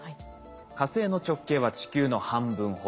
火星の直径は地球の半分ほど。